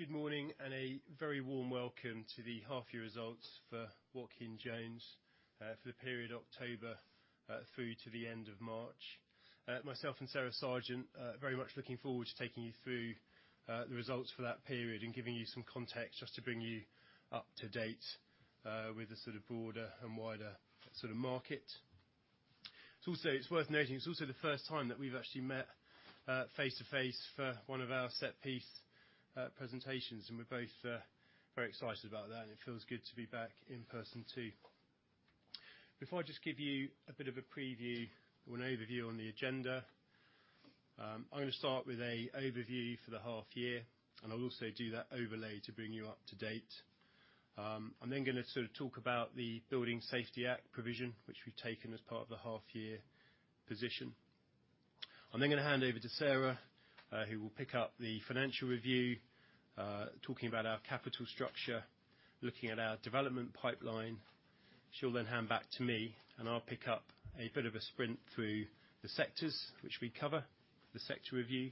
Good morning, and a very warm welcome to the half year results for Watkin Jones, for the period October, through to the end of March. Myself and Sarah Sergeant, very much looking forward to taking you through, the results for that period and giving you some context just to bring you up-to-date, with the sort of broader and wider sort of market. Also it's worth noting, it's also the first time that we've actually met, face-to-face for one of our set piece, presentations, and we're both, very excited about that and it feels good to be back in person too. Before I just give you a bit of a preview or an overview on the agenda, I'm gonna start with a overview for the half year, and I'll also do that overlay to bring you up-to-date. I'm gonna sort of talk about the Building Safety Act provision, which we've taken as part of the half year position. I'm gonna hand over to Sarah, who will pick up the financial review, talking about our capital structure, looking at our development pipeline. She'll hand back to me and I'll pick up a bit of a sprint through the sectors which we cover, the sector review.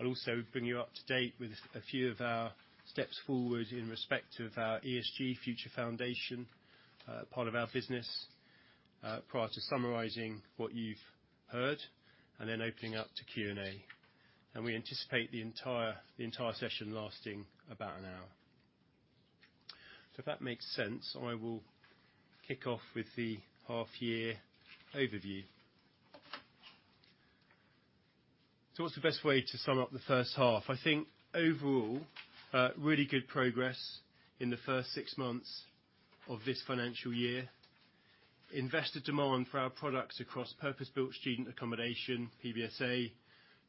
I'll also bring you up to date with a few of our steps forward in respect of our ESG Future Foundations, part of our business, prior to summarizing what you've heard, and then opening up to Q&A. We anticipate the entire session lasting about an hour. If that makes sense, I will kick off with the half year overview. What's the best way to sum up the first half? I think overall, really good progress in the first six months of this financial year. Investor demand for our products across Purpose-Built Student Accommodation, PBSA,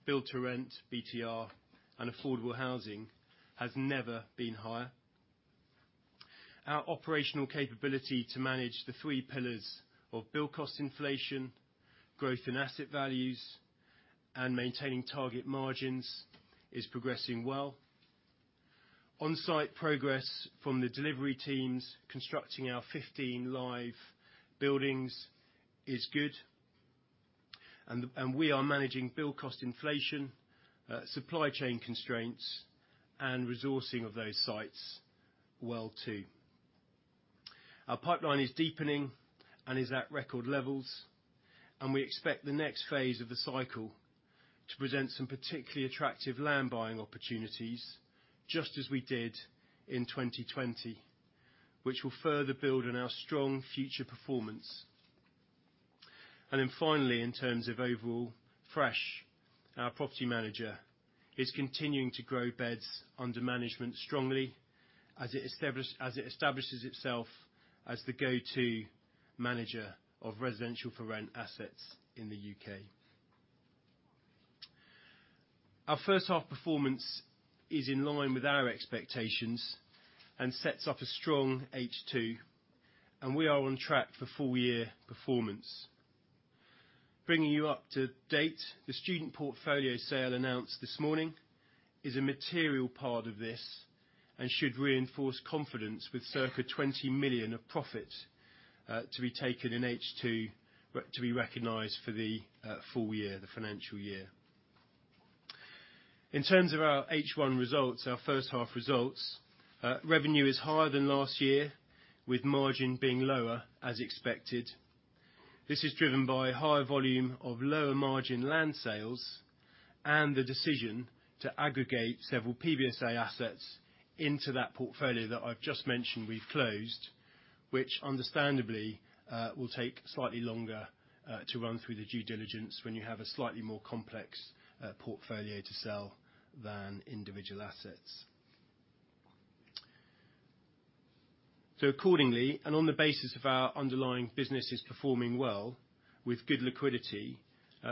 Build-to-Rent, BTR, and Affordable Housing, has never been higher. Our operational capability to manage the three pillars of build cost inflation, growth in asset values, and maintaining target margins is progressing well. On-site progress from the delivery teams constructing our 15 live buildings is good. We are managing build cost inflation, supply chain constraints, and resourcing of those sites well too. Our pipeline is deepening and is at record levels, and we expect the next phase of the cycle to present some particularly attractive land buying opportunities just as we did in 2020, which will further build on our strong future performance. In terms of overall, Fresh, our property manager, is continuing to grow beds under management strongly as it establishes itself as the go-to manager of residential for rent assets in the U.K. Our first half performance is in line with our expectations and sets up a strong H2, and we are on track for full year performance. Bringing you up to date, the student portfolio sale announced this morning is a material part of this and should reinforce confidence with circa 20 million of profit to be taken in H2 to be recognized for the full year, the financial year. In terms of our H1 results, our first half results, revenue is higher than last year with margin being lower as expected. This is driven by higher volume of lower margin land sales and the decision to aggregate several PBSA assets into that portfolio that I've just mentioned we've closed, which understandably, will take slightly longer, to run through the due diligence when you have a slightly more complex, portfolio to sell than individual assets. Accordingly, on the basis of our underlying business is performing well with good liquidity,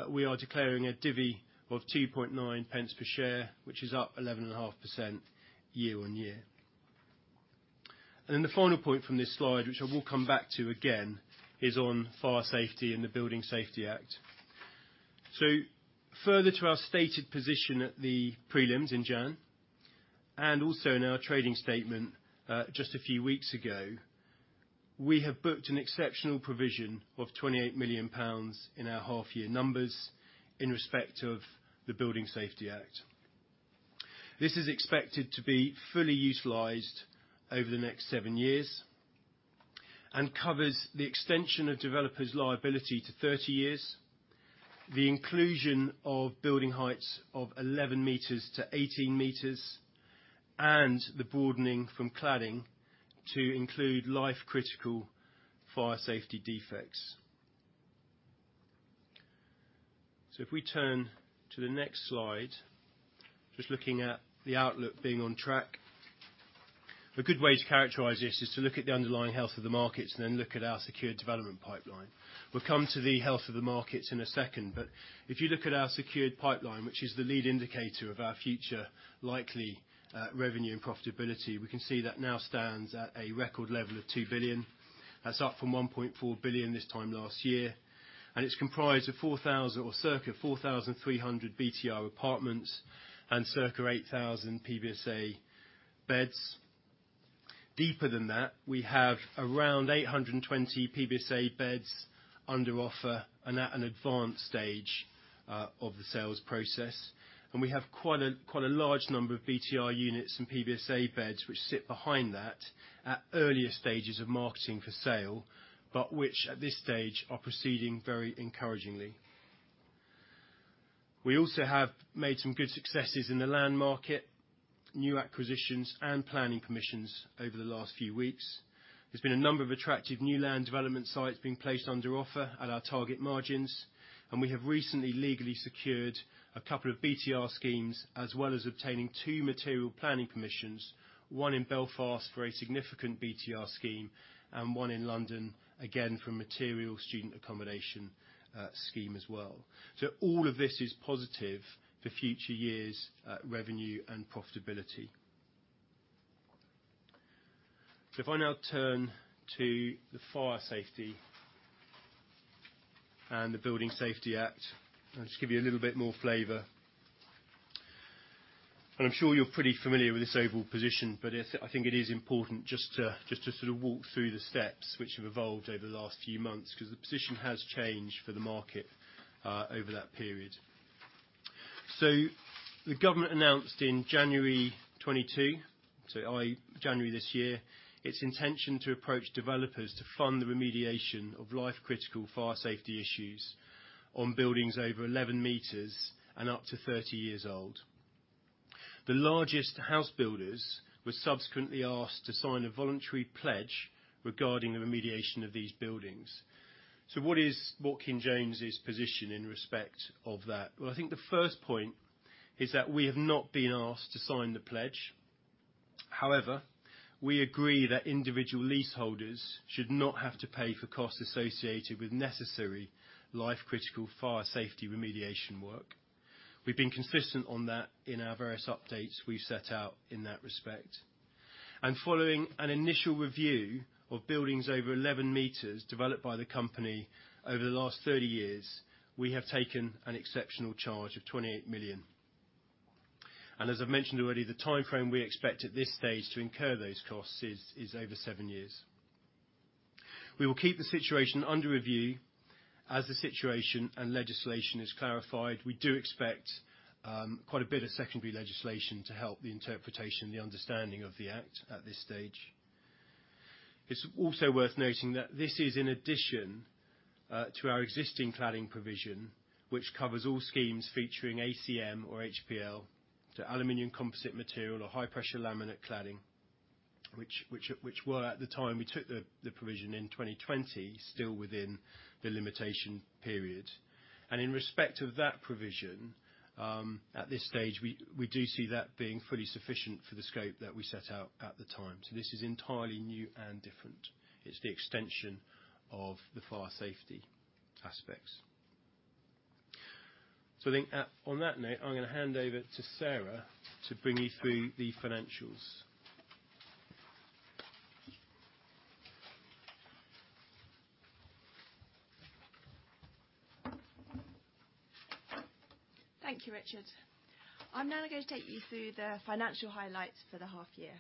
we are declaring a dividend of 0.029 per share, which is up 11.5% year-on-year. The final point from this slide, which I will come back to again, is on fire safety and the Building Safety Act. Further to our stated position at the prelims in Jan, and also in our trading statement just a few weeks ago, we have booked an exceptional provision of 28 million pounds in our half-year numbers in respect of the Building Safety Act. This is expected to be fully utilized over the next seven years and covers the extension of developers' liability to 30 years, the inclusion of building heights of 11 m-18 m, and the broadening from cladding to include life-critical fire safety defects. If we turn to the next slide, just looking at the outlook being on track. A good way to characterize this is to look at the underlying health of the markets and then look at our secured development pipeline. We'll come to the health of the markets in a second. If you look at our secured pipeline, which is the lead indicator of our future likely revenue and profitability, we can see that now stands at a record level of 2 billion. That's up from 1.4 billion this time last year. It's comprised of 4,000 or circa 4,300 BTR apartments and circa 8,000 PBSA beds. Deeper than that, we have around 820 PBSA beds under offer and at an advanced stage of the sales process. We have quite a large number of BTR units and PBSA beds which sit behind that at earlier stages of marketing for sale, but which at this stage are proceeding very encouragingly. We also have made some good successes in the land market, new acquisitions and planning permissions over the last few weeks. There's been a number of attractive new land development sites being placed under offer at our target margins, and we have recently legally secured a couple of BTR schemes as well as obtaining two material planning permissions, one in Belfast for a significant BTR scheme and one in London, again, for a material student accommodation, scheme as well. All of this is positive for future years' revenue and profitability. If I now turn to the fire safety and the Building Safety Act. I'll just give you a little bit more flavor. I'm sure you're pretty familiar with this overall position, but it's I think it is important just to sort of walk through the steps which have evolved over the last few months, 'cause the position has changed for the market, over that period. The government announced in January 2022, so i.e. January this year, its intention to approach developers to fund the remediation of life-critical fire safety issues on buildings over 11 m and up to 30 years old. The largest house builders were subsequently asked to sign a voluntary pledge regarding the remediation of these buildings. What is Watkin Jones' position in respect of that? Well, I think the first point is that we have not been asked to sign the pledge. However, we agree that individual leaseholders should not have to pay for costs associated with necessary life-critical fire safety remediation work. We've been consistent on that in our various updates we've set out in that respect. Following an initial review of buildings over 11 m developed by the company over the last 30 years, we have taken an exceptional charge of 28 million. As I've mentioned already, the timeframe we expect at this stage to incur those costs is over seven years. We will keep the situation under review as the situation and legislation is clarified. We do expect quite a bit of secondary legislation to help the interpretation, the understanding of the act at this stage. It's also worth noting that this is in addition to our existing cladding provision, which covers all schemes featuring ACM or HPL, so aluminum composite material or high pressure laminate cladding, which were at the time we took the provision in 2020, still within the limitation period. In respect of that provision, at this stage, we do see that being fully sufficient for the scope that we set out at the time. This is entirely new and different. It's the extension of the fire safety aspects. I think on that note, I'm gonna hand over to Sarah to bring you through the financials. Thank you, Richard. I'm now going to take you through the financial highlights for the half year.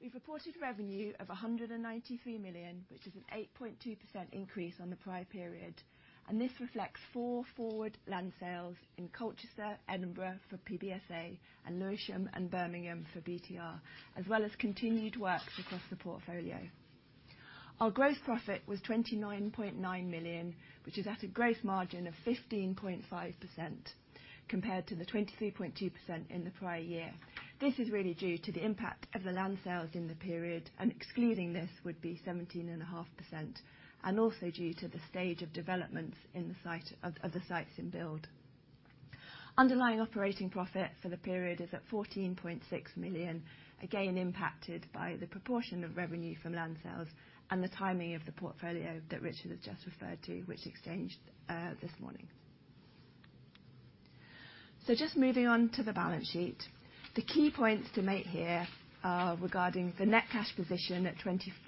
We've reported revenue of 193 million, which is an 8.2% increase on the prior period, and this reflects four forward land sales in Colchester, Edinburgh for PBSA, and Lewisham and Birmingham for BTR, as well as continued works across the portfolio. Our gross profit was 29.9 million, which is at a gross margin of 15.5% compared to the 23.2% in the prior year. This is really due to the impact of the land sales in the period, and excluding this would be 17.5%, and also due to the stage of developments in the sites in build. Underlying operating profit for the period is at 14.6 million, again impacted by the proportion of revenue from land sales and the timing of the portfolio that Richard has just referred to, which exchanged this morning. Just moving on to the balance sheet. The key points to make here are regarding the net cash position at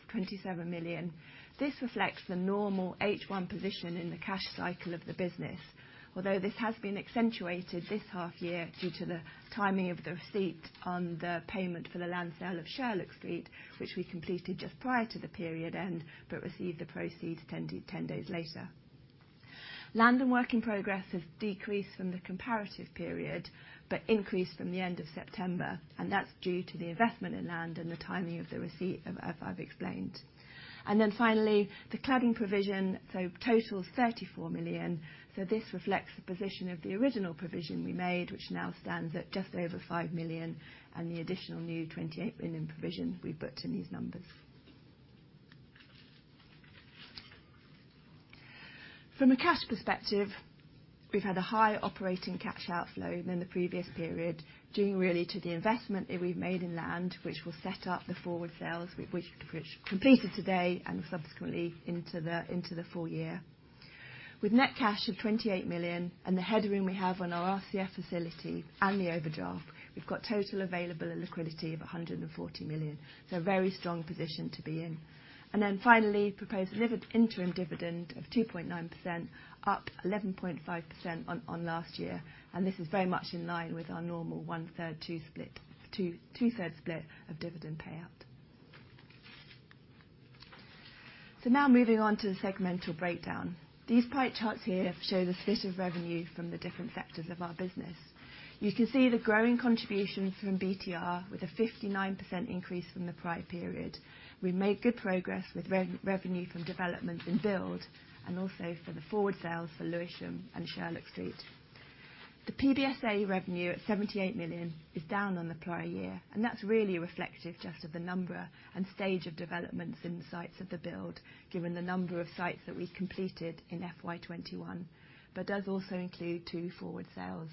27 million. This reflects the normal H1 position in the cash cycle of the business, although this has been accentuated this half year due to the timing of the receipt on the payment for the land sale of Sherlock Street, which we completed just prior to the period end but received the proceeds ten days later. Land and work in progress has decreased from the comparative period, but increased from the end of September, and that's due to the investment in land and the timing of the receipt, as I've explained. Then finally, the cladding provision, so total of 34 million. This reflects the position of the original provision we made, which now stands at just over 5 million, and the additional new 28 million provision we've booked in these numbers. From a cash perspective, we've had a higher operating cash outflow than the previous period, due really to the investment that we've made in land, which will set up the forward sales which completed today and subsequently into the full year. With net cash of 28 million and the headroom we have on our RCF facility and the overdraft, we've got total available liquidity of 140 million. A very strong position to be in. Then finally, proposed interim dividend of 2.9%, up 11.5% on last year. This is very much in line with our normal 1/3, 2/3 split of dividend payout. Now moving on to the segmental breakdown. These pie charts here show the split of revenue from the different sectors of our business. You can see the growing contribution from BTR, with a 59% increase from the prior period. We made good progress with revenue from development and build, and also for the forward sales for Lewisham and Sherlock Street. PBSA revenue at 78 million is down on the prior year, and that's really reflective just of the number and stage of developments in the sites of the build, given the number of sites that we completed in FY 2021, but does also include two forward sales.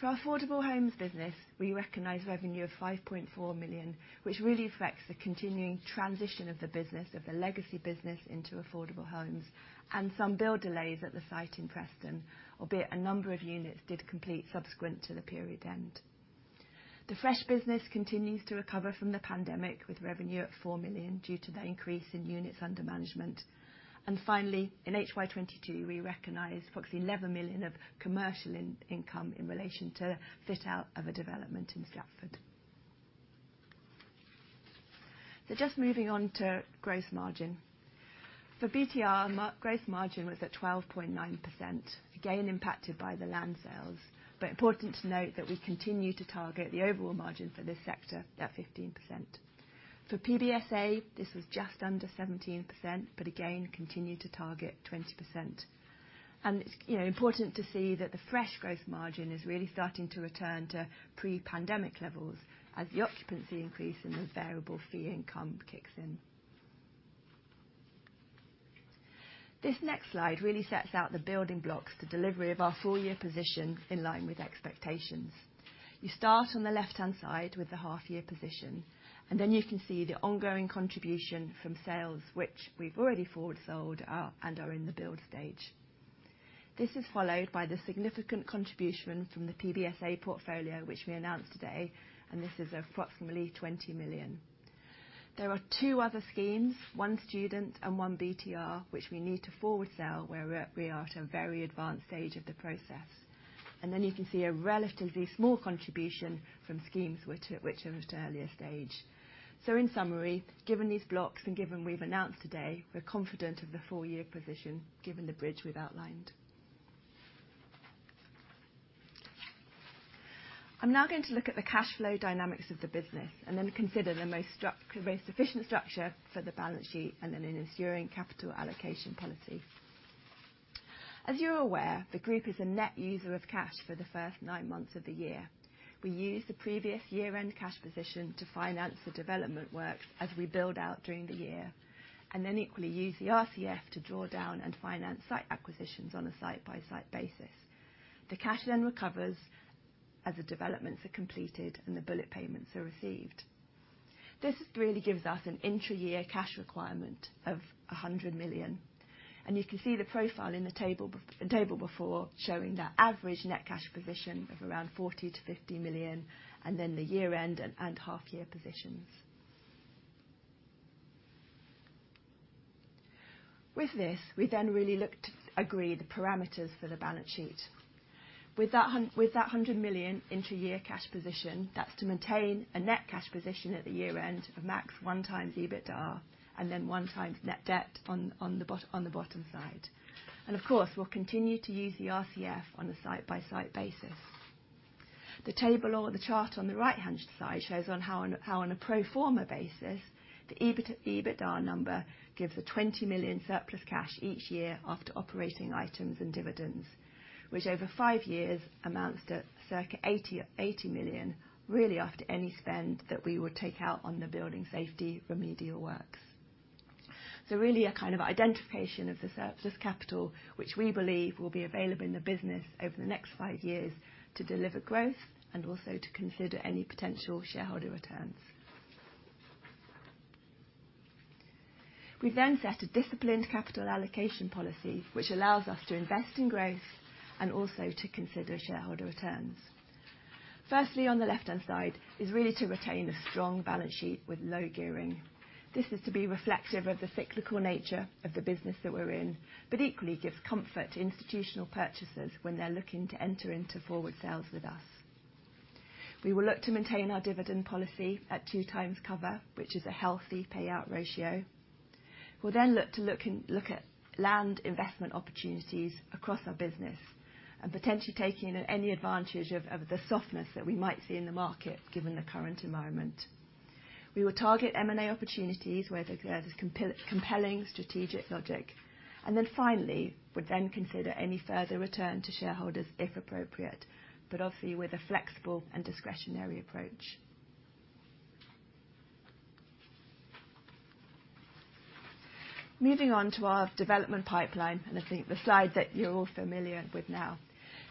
For our affordable homes business, we recognize revenue of 5.4 million, which really reflects the continuing transition of the business, of the legacy business into affordable homes, and some build delays at the site in Preston, albeit a number of units did complete subsequent to the period end. The Fresh business continues to recover from the pandemic, with revenue at 4 million, due to the increase in units under management. Finally, in HY 2022, we recognized approximately 11 million of commercial income in relation to fit-out of a development in Stratford. Just moving on to gross margin. For BTR, gross margin was at 12.9%, again impacted by the land sales. Important to note that we continue to target the overall margin for this sector at 15%. For PBSA, this was just under 17%, but again, continue to target 20%. It's, you know, important to see that the Fresh gross margin is really starting to return to pre-pandemic levels as the occupancy increase and the variable fee income kicks in. This next slide really sets out the building blocks to delivery of our full-year position in line with expectations. You start on the left-hand side with the half-year position, and then you can see the ongoing contribution from sales, which we've already forward sold, and are in the build stage. This is followed by the significant contribution from the PBSA portfolio, which we announced today, and this is approximately 20 million. There are two other schemes, one student and one BTR, which we need to forward sell, where we are at a very advanced stage of the process. Then you can see a relatively small contribution from schemes which are at an earlier stage. In summary, given these blocks and given we've announced today, we're confident of the full-year position, given the bridge we've outlined. I'm now going to look at the cash flow dynamics of the business and then consider the most efficient structure for the balance sheet and then an ensuing capital allocation policy. As you're aware, the group is a net user of cash for the first nine months of the year. We use the previous year-end cash position to finance the development work as we build out during the year. Equally use the RCF to draw down and finance site acquisitions on a site-by-site basis. The cash then recovers as the developments are completed and the bullet payments are received. This really gives us an intra-year cash requirement of 100 million, and you can see the profile in the table before showing that average net cash position of around 40 million-50 million and then the year-end and half-year positions. With this, we then really look to agree the parameters for the balance sheet. With that hundred million intra-year cash position, that's to maintain a net cash position at the year end of max 1x EBITDA, and then 1x net debt on the bottom side. Of course, we'll continue to use the RCF on a site-by-site basis. The table on the chart on the right-hand side shows how on a pro forma basis, the EBITDA number gives a 20 million surplus cash each year after operating items and dividends, which over five years amounts to circa 80 million, really after any spend that we would take out on the building safety remedial works. Really a kind of identification of the surplus capital, which we believe will be available in the business over the next five years to deliver growth and also to consider any potential shareholder returns. We then set a disciplined capital allocation policy, which allows us to invest in growth and also to consider shareholder returns. Firstly, on the left-hand side is really to retain a strong balance sheet with low gearing. This is to be reflective of the cyclical nature of the business that we're in, but equally gives comfort to institutional purchasers when they're looking to enter into forward sales with us. We will look to maintain our dividend policy at two times cover, which is a healthy payout ratio. We'll then look at land investment opportunities across our business and potentially taking any advantage of the softness that we might see in the market, given the current environment. We will target M&A opportunities where there's compelling strategic logic. Finally, we'll then consider any further return to shareholders if appropriate, but obviously with a flexible and discretionary approach. Moving on to our development pipeline, and I think the slide that you're all familiar with now.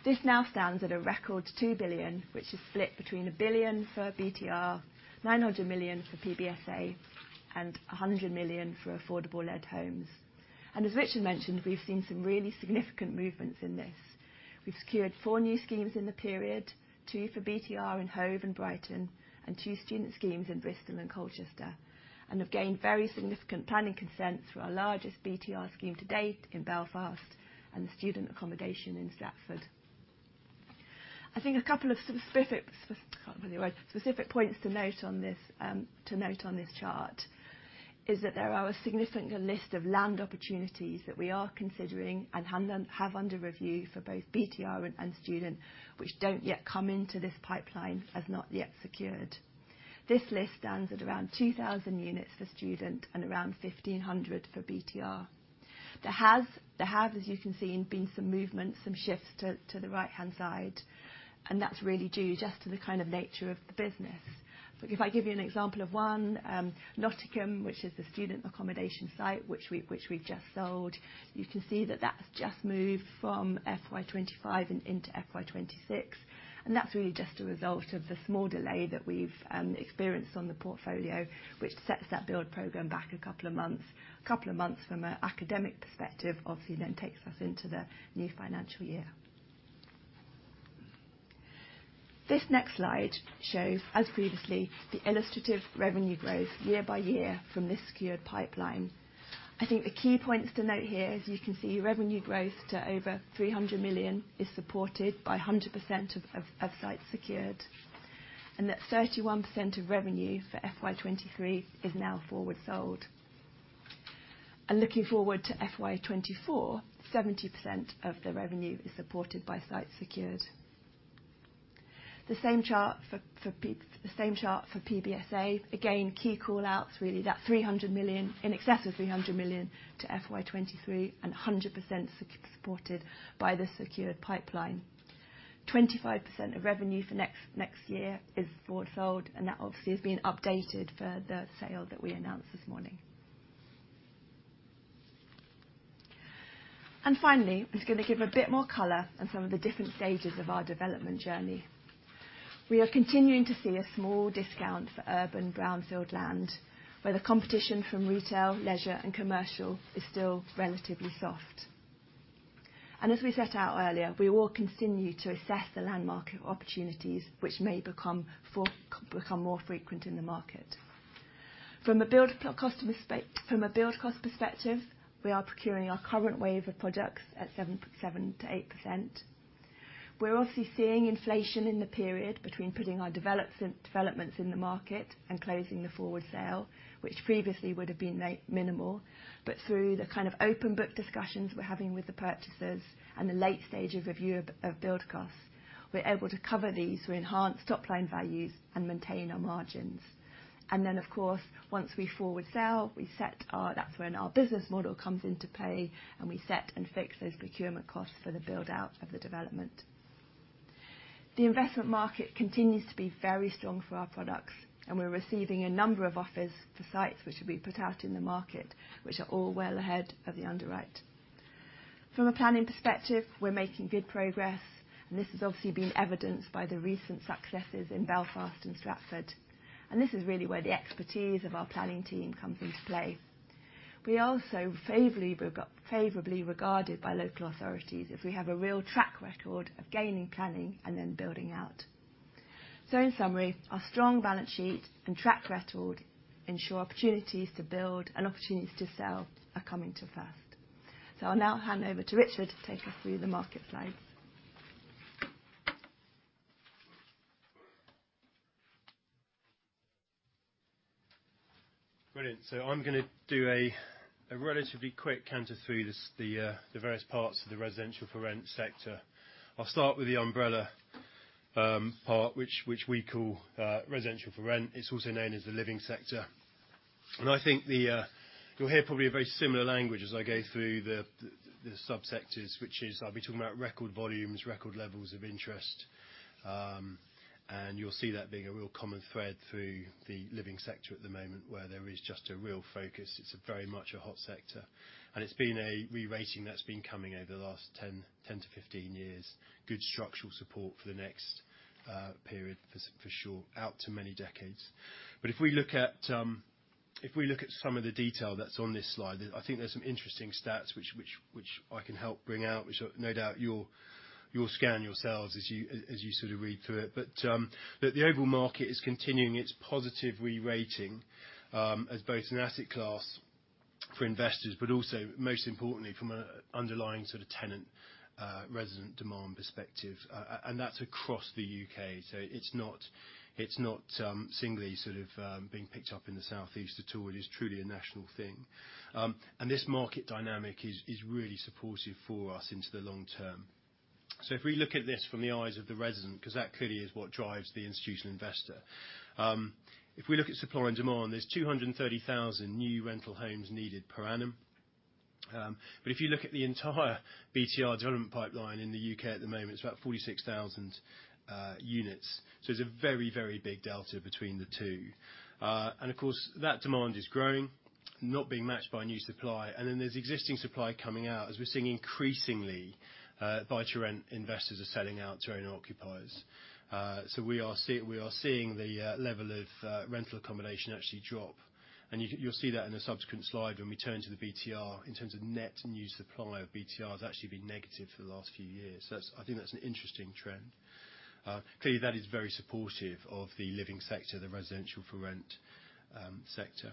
This now stands at a record 2 billion, which is split between 1 billion for BTR, 900 million for PBSA, and 100 million for affordable-led homes. As Richard mentioned, we've seen some really significant movements in this. We've secured four new schemes in the period, two for BTR in Hove and Brighton, and two student schemes in Bristol and Colchester, and have gained very significant planning consents for our largest BTR scheme to date in Belfast and the student accommodation in Stratford. I think a couple of specific points to note on this chart is that there are a significant list of land opportunities that we are considering and have under review for both BTR and student, which don't yet come into this pipeline as not yet secured. This list stands at around 2,000 units for student and around 1,500 for BTR. There have, as you can see, been some movement, some shifts to the right-hand side, and that's really due just to the kind of nature of the business. If I give you an example of one, Nottingham, which is the student accommodation site which we just sold, you can see that that's just moved from FY 2025 and into FY 2026, and that's really just a result of the small delay that we've experienced on the portfolio, which sets that build program back a couple of months. Couple of months from an academic perspective obviously then takes us into the new financial year. This next slide shows, as previously, the illustrative revenue growth year by year from this secured pipeline. I think the key points to note here, as you can see, revenue growth to over 300 million is supported by 100% of sites secured, and that 31% of revenue for FY 2023 is now forward sold. Looking forward to FY 2024, 70% of the revenue is supported by sites secured. The same chart for PBSA. Again, key call-outs, really that in excess of 300 million to FY 2023 and 100% supported by the secured pipeline. 25% of revenue for next year is forward sold, and that obviously has been updated for the sale that we announced this morning. Finally, I'm just gonna give a bit more color on some of the different stages of our development journey. We are continuing to see a small discount for urban brownfield land, where the competition from retail, leisure, and commercial is still relatively soft. As we set out earlier, we will continue to assess the land market opportunities which may become more frequent in the market. From a build cost perspective, we are procuring our current wave of products at 7%-8%. We're obviously seeing inflation in the period between putting our developments in the market and closing the forward sale, which previously would have been minimal. Through the kind of open book discussions we're having with the purchasers and the late stages review of build costs, we're able to cover these to enhance top-line values and maintain our margins. Then, of course, once we forward sell, we set our that's when our business model comes into play, and we set and fix those procurement costs for the build-out of the development. The investment market continues to be very strong for our products, and we're receiving a number of offers for sites which will be put out in the market, which are all well ahead of the underwrite. From a planning perspective, we're making good progress, and this has obviously been evidenced by the recent successes in Belfast and Stratford. This is really where the expertise of our planning team comes into play. We are also favorably regarded by local authorities if we have a real track record of gaining planning and then building out. In summary, our strong balance sheet and track record ensure opportunities to build and opportunities to sell are coming to fruition. I'll now hand over to Richard to take us through the market slides. Brilliant. I'm gonna do a relatively quick canter through the the various parts of the residential for rent sector. I'll start with the umbrella part, which we call residential for rent. It's also known as the living sector. I think you'll hear probably a very similar language as I go through the subsectors, which is I'll be talking about record volumes, record levels of interest. You'll see that being a real common thread through the living sector at the moment, where there is just a real focus. It's very much a hot sector, and it's been a rerating that's been coming over the last 10-15 years. Good structural support for the next period for sure, out to many decades. If we look at some of the detail that's on this slide, I think there's some interesting stats which I can help bring out, which no doubt you'll scan yourselves as you sort of read through it. The overall market is continuing its positive rerating, as both an asset class for investors, but also, most importantly, from a underlying sort of tenant, resident demand perspective, and that's across the U.K. It's not simply sort of being picked up in the South East at all. It is truly a national thing. This market dynamic is really supportive for us into the long term. If we look at this from the eyes of the resident, 'cause that clearly is what drives the institutional investor. If we look at supply and demand, there's 230,000 new rental homes needed per annum. But if you look at the entire BTR development pipeline in the U.K. at the moment, it's about 46,000 units, so there's a very, very big delta between the two. And of course, that demand is growing, not being matched by new supply, and then there's existing supply coming out, as we're seeing increasingly, Buy-to-Rent investors are selling out to own occupiers. We are seeing the level of rental accommodation actually drop. You, you'll see that in a subsequent slide when we turn to the BTR, in terms of net new supply of BTR has actually been negative for the last few years. That's, I think that's an interesting trend. Clearly, that is very supportive of the living sector, the residential for rent sector.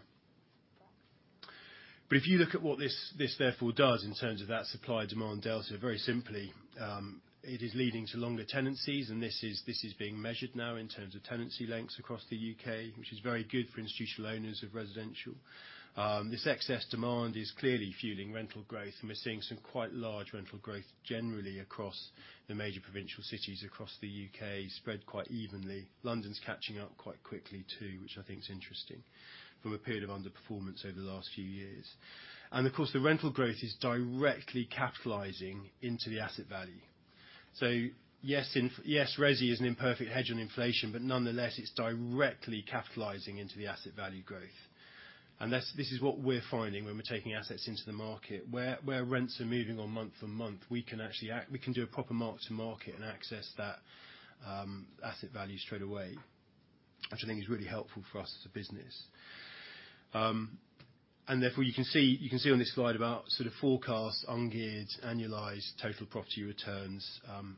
If you look at what this therefore does in terms of that supply demand delta, very simply, it is leading to longer tenancies, and this is being measured now in terms of tenancy lengths across the U.K., which is very good for institutional owners of residential. This excess demand is clearly fueling rental growth, and we're seeing some quite large rental growth generally across the major provincial cities across the U.K., spread quite evenly. London's catching up quite quickly too, which I think is interesting, from a period of underperformance over the last few years. Of course, the rental growth is directly capitalizing into the asset value. Yes, resi is an imperfect hedge on inflation, but nonetheless, it's directly capitalizing into the asset value growth. That's what we're finding when we're taking assets into the market. Where rents are moving month-on-month, we can actually act. We can do a proper mark to market and access that asset value straight away, which I think is really helpful for us as a business. Therefore you can see on this slide about sort of forecast ungeared, annualized total property returns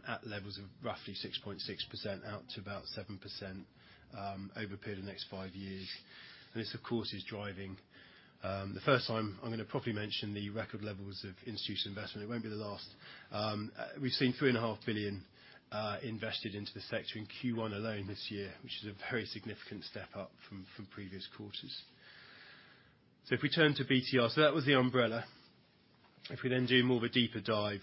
at levels of roughly 6.6% out to about 7% over a period of the next five years. This of course is driving the first time I'm gonna properly mention the record levels of institutional investment. It won't be the last. We've seen 3,500,000,000 invested into the sector in Q1 alone this year, which is a very significant step up from previous quarters. If we turn to BTR. That was the umbrella. If we then do more of a deeper dive.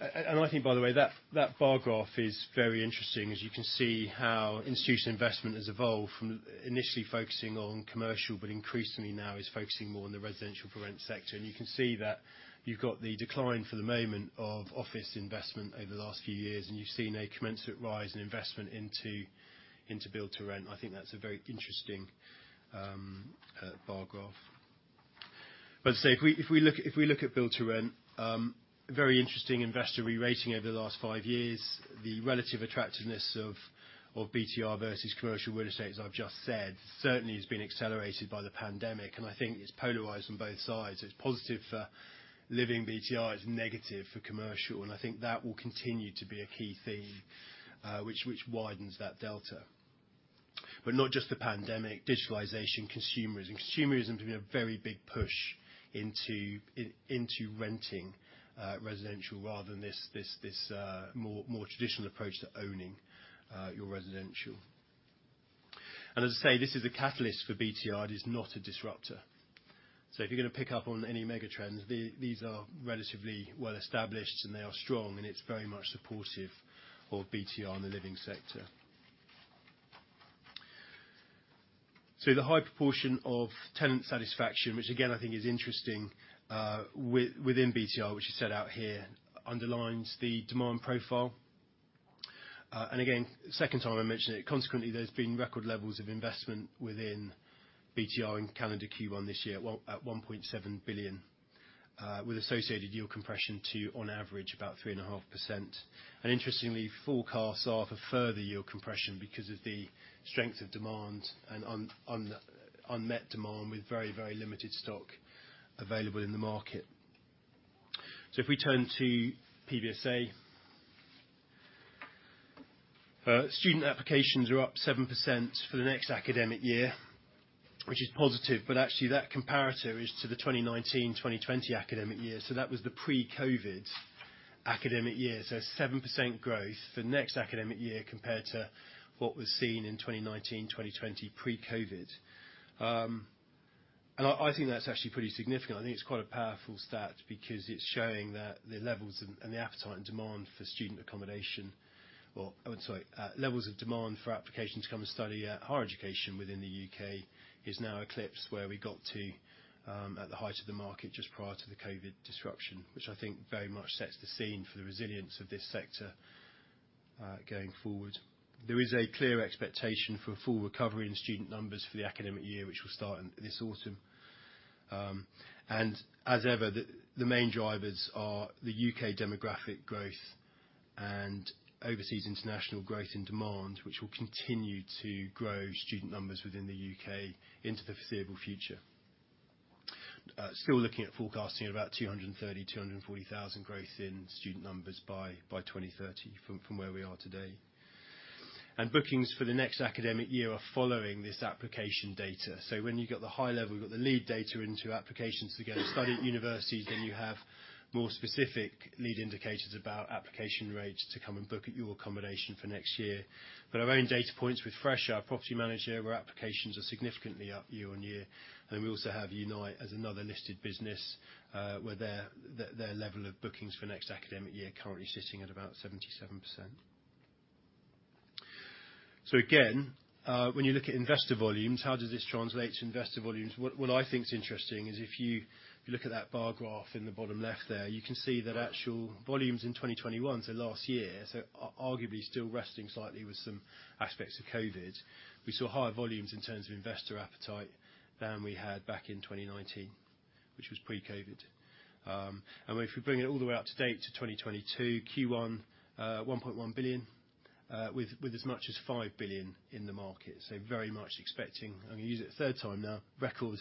I think by the way, that bar graph is very interesting as you can see how institutional investment has evolved from initially focusing on commercial, but increasingly now is focusing more on the residential for rent sector. You can see that you've got the decline for the moment of office investment over the last few years, and you've seen a commensurate rise in investment into Build-to-Rent. I think that's a very interesting bar graph. As I say, if we look at Build-to-Rent, very interesting investor rerating over the last five years. The relative attractiveness of BTR versus commercial real estate, as I've just said, certainly has been accelerated by the pandemic, and I think it's polarized on both sides. It's positive for living BTR, it's negative for commercial, and I think that will continue to be a key theme, which widens that delta. Not just the pandemic, digitalization, consumerism. Consumerism has been a very big push into renting, residential rather than this, more traditional approach to owning, your residential. As I say, this is a catalyst for BTR. It is not a disruptor. If you're gonna pick up on any mega trends, these are relatively well established, and they are strong, and it's very much supportive of BTR in the living sector. The high proportion of tenant satisfaction, which again I think is interesting, within BTR, which is set out here, underlines the demand profile. Again, second time I mentioned it, consequently, there's been record levels of investment within BTR in calendar Q1 this year, at 1.7 billion, with associated yield compression to on average about 3.5%. Interestingly, forecasts are for further yield compression because of the strength of demand and unmet demand with very, very limited stock available in the market. If we turn to PBSA, student applications are up 7% for the next academic year, which is positive, but actually that comparator is to the 2019/2020 academic year. That was the pre-COVID academic year. 7% growth for next academic year compared to what was seen in 2019/2020 pre-COVID. I think that's actually pretty significant. I think it's quite a powerful stat because it's showing that the levels and the appetite and demand for student accommodation, or I'm sorry, levels of demand for applications to come and study higher education within the U.K., is now eclipsed where we got to at the height of the market just prior to the COVID disruption, which I think very much sets the scene for the resilience of this sector going forward. There is a clear expectation for full recovery in student numbers for the academic year, which will start in this autumn. As ever, the main drivers are the U.K. demographic growth and overseas international growth in demand, which will continue to grow student numbers within the U.K. into the foreseeable future. Still looking at forecasting about 230,000-240,000 growth in student numbers by 2030 from where we are today. Bookings for the next academic year are following this application data. When you've got the high level, you've got the lead data into applications to go study at universities, then you have more specific lead indicators about application rates to come and book at your accommodation for next year. Our own data points with Fresh, our property manager, where applications are significantly up year-on-year. We also have Unite as another listed business, where their level of bookings for next academic year are currently sitting at about 77%. Again, when you look at investor volumes, how does this translate to investor volumes? What I think is interesting is if you look at that bar graph in the bottom left there, you can see that actual volumes in 2021, so last year, arguably still wrestling slightly with some aspects of COVID, we saw higher volumes in terms of investor appetite than we had back in 2019, which was pre-COVID. If we bring it all the way up to date to 2022, Q1, 1.1 billion with as much as 5 billion in the market. Very much expecting, I'm gonna use it a third time now, record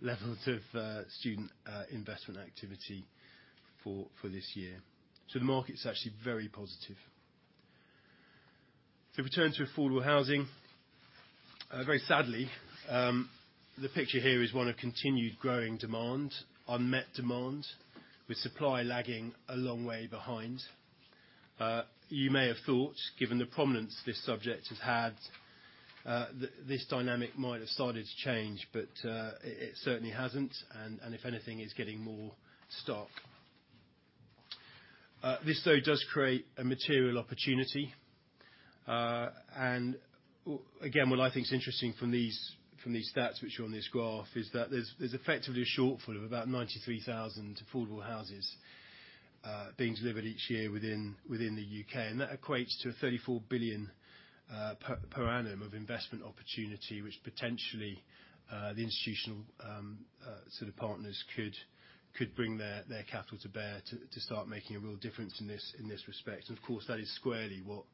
levels of student investment activity for this year. The market's actually very positive. To return to Affordable Housing, very sadly, the picture here is one of continued growing demand, unmet demand, with supply lagging a long way behind. You may have thought, given the prominence this subject has had, this dynamic might have started to change, but it certainly hasn't, and if anything, it's getting more stuck. This though does create a material opportunity. Again, what I think is interesting from these stats which are on this graph is that there's effectively a shortfall of about 93,000 affordable houses being delivered each year within the U.K., and that equates to a 34 billion per annum of investment opportunity, which potentially the institutional sort of partners could bring their capital to bear to start making a real difference in this respect. Of course, that is squarely what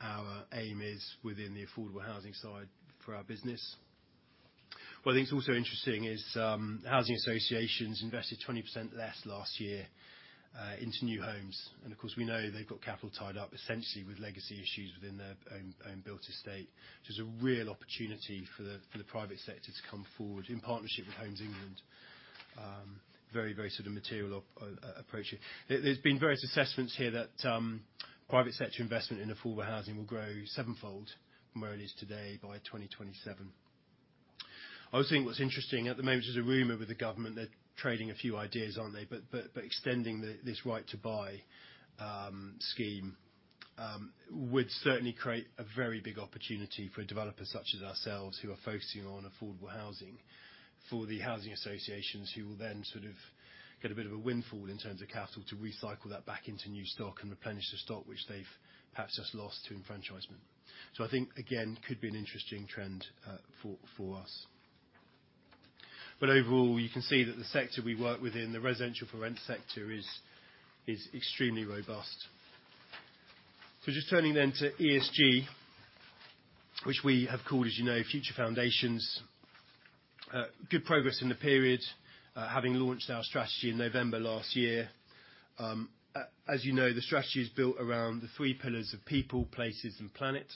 our aim is within the Affordable Housing side for our business. What I think is also interesting is housing associations invested 20% less last year into new homes. Of course, we know they've got capital tied up essentially with legacy issues within their own built estate, which is a real opportunity for the private sector to come forward in partnership with Homes England, very sort of material approach. There's been various assessments here that private sector investment in Affordable Housing will grow sevenfold from where it is today by 2027. I also think what's interesting, at the moment, there's a rumor with the government, they're trading a few ideas, aren't they extending this Right to Buy scheme would certainly create a very big opportunity for developers such as ourselves who are focusing on Affordable Housing for the housing associations who will then sort of get a bit of a windfall in terms of capital to recycle that back into new stock and replenish the stock which they've perhaps just lost to enfranchisement. I think, again, could be an interesting trend for us. Overall, you can see that the sector we work within, the residential-for-rent sector, is extremely robust. Just turning to ESG, which we have called, as you know, Future Foundations. Good progress in the period, having launched our strategy in November last year. As you know, the strategy is built around the three pillars of people, places and planet.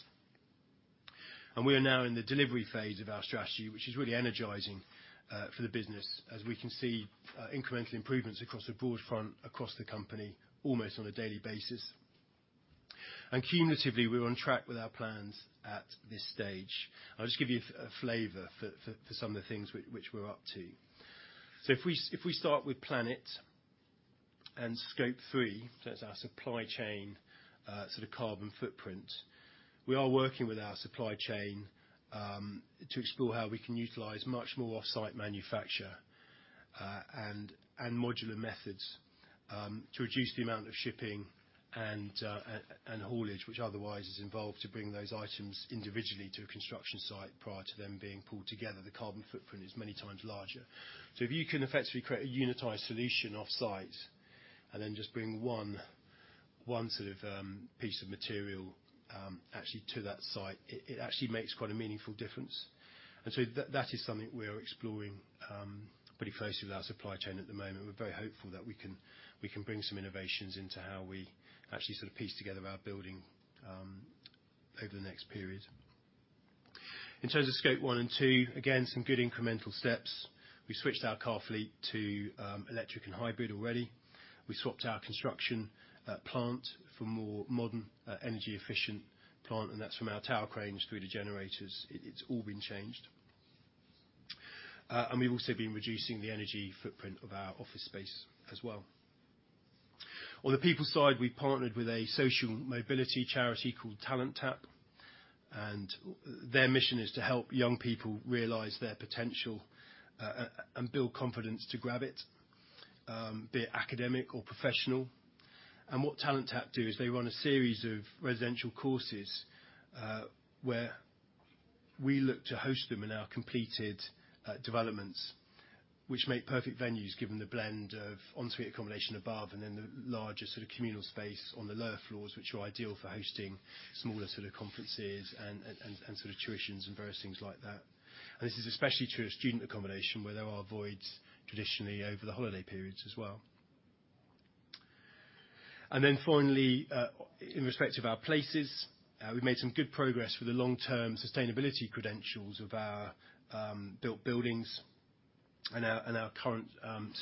We are now in the delivery phase of our strategy, which is really energizing for the business, as we can see incremental improvements across a broad front across the company, almost on a daily basis. Cumulatively, we're on track with our plans at this stage. I'll just give you a flavor for some of the things which we're up to. If we start with Planet and Scope 3, so that's our supply chain sort of carbon footprint, we are working with our supply chain to explore how we can utilize much more off-site manufacture and modular methods to reduce the amount of shipping and haulage, which otherwise is involved to bring those items individually to a construction site prior to them being pulled together. The carbon footprint is many times larger. If you can effectively create a unitized solution off-site and then just bring one sort of piece of material actually to that site, it actually makes quite a meaningful difference. That is something we are exploring pretty closely with our supply chain at the moment. We're very hopeful that we can bring some innovations into how we actually sort of piece together our building over the next period. In terms of Scope 1 and 2, again, some good incremental steps. We switched our car fleet to electric and hybrid already. We swapped our construction plant for more modern energy-efficient plant, and that's from our tower cranes through to generators. It's all been changed. We've also been reducing the energy footprint of our office space as well. On the people side, we partnered with a social mobility charity called Talent Tap, and their mission is to help young people realize their potential, and build confidence to grab it, be it academic or professional. What Talent Tap do is they run a series of residential courses, where we look to host them in our completed developments, which make perfect venues given the blend of en suite accommodation above and then the larger sort of communal space on the lower floors, which are ideal for hosting smaller sort of conferences and sort of tuitions and various things like that. This is especially true of student accommodation, where there are voids traditionally over the holiday periods as well. Finally, in respect of our places, we've made some good progress with the long-term sustainability credentials of our built buildings and our current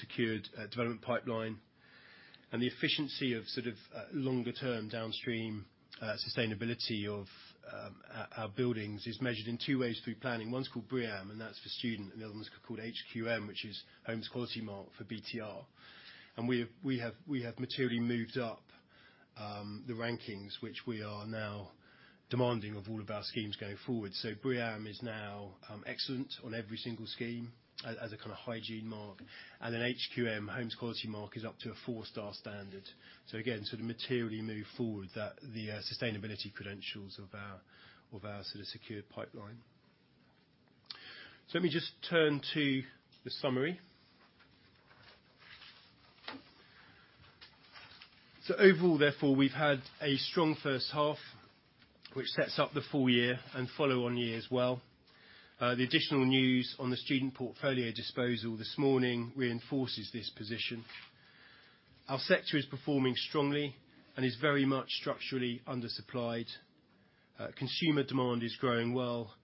secured development pipeline. The efficiency of sort of longer term downstream sustainability of our buildings is measured in two ways through planning. One's called BREEAM, and that's for student, and the other one's called HQM, which is Homes Quality Mark for BTR. We have materially moved up the rankings, which we are now demanding of all of our schemes going forward. BREEAM is now excellent on every single scheme as a kind of hygiene mark. HQM, Homes Quality Mark, is up to a four-star standard. Again, sort of materially move forward the sustainability credentials of our sort of secured pipeline. Let me just turn to the summary. Overall, therefore, we've had a strong first half, which sets up the full year and follow-on year as well. The additional news on the student portfolio disposal this morning reinforces this position. Our sector is performing strongly and is very much structurally undersupplied. Consumer demand is growing well,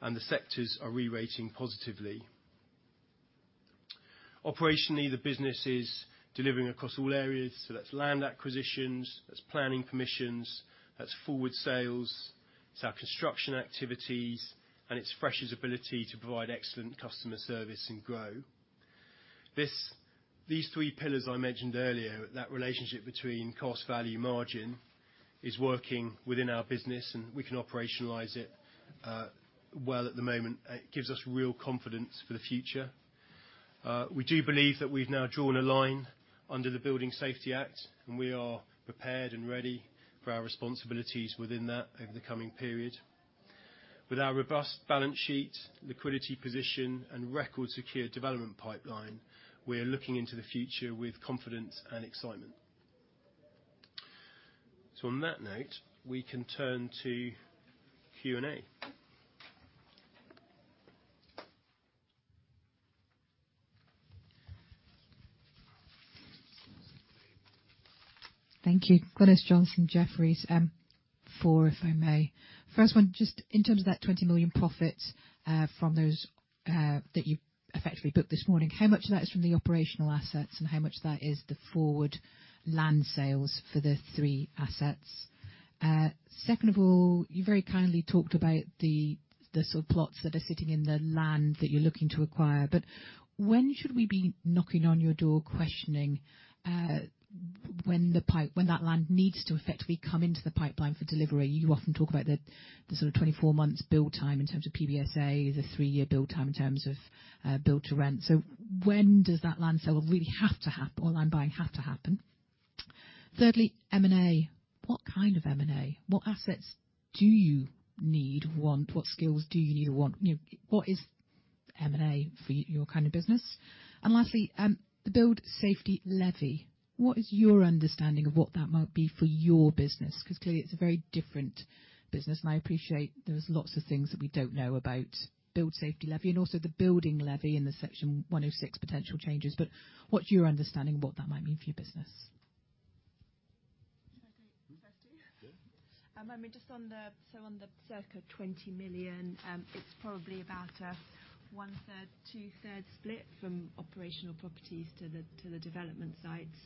and the sectors are rerating positively. Operationally, the business is delivering across all areas, so that's land acquisitions, that's planning permissions, that's forward sales, it's our construction activities, and it's Fresh's ability to provide excellent customer service and grow. These three pillars I mentioned earlier, that relationship between cost, value, margin is working within our business, and we can operationalize it well at the moment. It gives us real confidence for the future. We do believe that we've now drawn a line under the Building Safety Act, and we are prepared and ready for our responsibilities within that over the coming period. With our robust balance sheet, liquidity position, and record secure development pipeline, we are looking into the future with confidence and excitement. On that note, we can turn to Q&A. Thank you. Glynis Johnson from Jefferies. Four if I may. First one, just in terms of that 20 million profit, from those, that you effectively booked this morning, how much of that is from the operational assets and how much of that is the forward land sales for the three assets? Second of all, you very kindly talked about the sort of plots that are sitting in the land that you're looking to acquire. When should we be knocking on your door questioning when that land needs to effectively come into the pipeline for delivery? You often talk about the sort of 24 months build time in terms of PBSA, the three-year build time in terms of Build-to-Rent. So when does that land sale really have to happen or land buying have to happen? Thirdly, M&A. What kind of M&A? What assets do you need, want? What skills do you need or want? You know, what is M&A for your kind of business? And lastly, the Building Safety Levy. What is your understanding of what that might be for your business? 'Cause clearly it's a very different business, and I appreciate there's lots of things that we don't know about Building Safety Levy and also the building levy and the Section 106 potential changes. What's your understanding of what that might mean for your business? Should I take the first two? Yeah. I mean, just on the circa 20 million, it's probably about a 1/3, 2/3 split from operational properties to the development sites.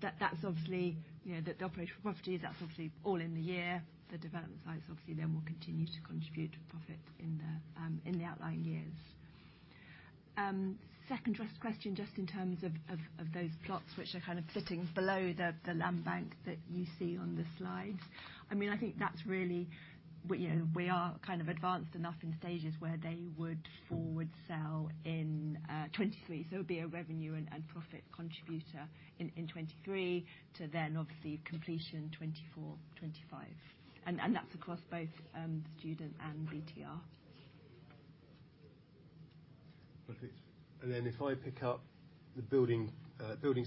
That's obviously, you know, the operational properties, that's obviously all in the year. The development sites obviously then will continue to contribute profit in the outlying years. Second question, just in terms of those plots which are kind of sitting below the land bank that you see on the slides. I mean, I think that's really, you know, we are kind of advanced enough in stages where they would forward sell in 2023. So it'd be a revenue and profit contributor in 2023 to then obviously completion in 2024, 2025. That's across both student and BTR. Perfect. If I pick up the building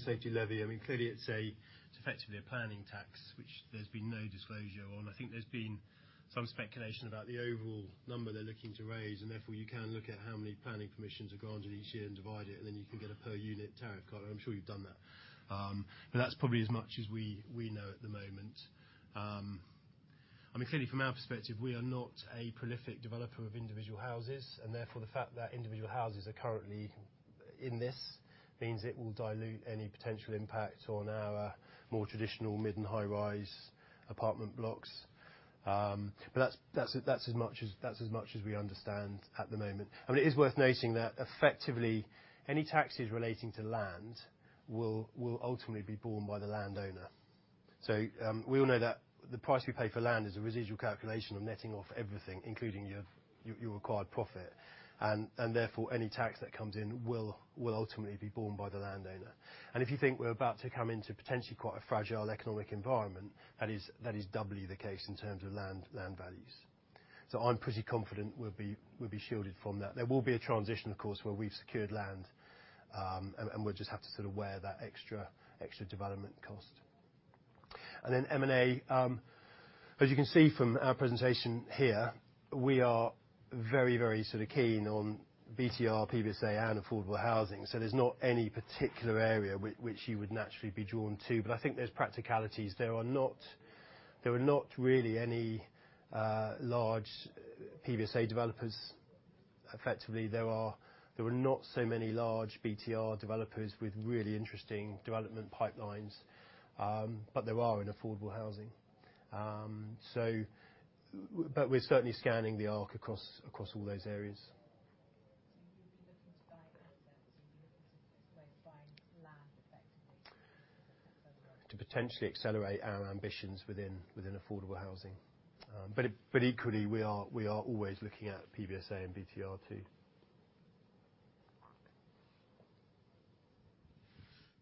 safety levy. I mean, clearly it's effectively a planning tax, which there's been no disclosure on. I think there's been some speculation about the overall number they're looking to raise, and therefore you can look at how many planning permissions are granted each year and divide it, and then you can get a per unit tariff. Glynis, I'm sure you've done that. That's probably as much as we know at the moment. I mean, clearly from our perspective, we are not a prolific developer of individual houses, and therefore the fact that individual houses are currently in this means it will dilute any potential impact on our more traditional mid and high-rise apartment blocks. That's as much as we understand at the moment. I mean, it is worth noting that effectively any taxes relating to land will ultimately be borne by the landowner. We all know that the price we pay for land is a residual calculation of netting off everything, including your required profit. Therefore, any tax that comes in will ultimately be borne by the landowner. If you think we're about to come into potentially quite a fragile economic environment, that is doubly the case in terms of land values. I'm pretty confident we'll be shielded from that. There will be a transition, of course, where we've secured land, and we'll just have to sort of wear that extra development cost. M&A, as you can see from our presentation here, we are very, very sort of keen on BTR, PBSA, and Affordable Housing. There's not any particular area which you would naturally be drawn to. I think there's practicalities. There are not really any large PBSA developers. Effectively, there are not so many large BTR developers with really interesting development pipelines, but there are in Affordable Housing. We're certainly scanning the arc across all those areas. You'd be looking to buy assets, you'd be looking to basically buying land effectively. Is that right? To potentially accelerate our ambitions within Affordable Housing. Equally we are always looking at PBSA and BTR too.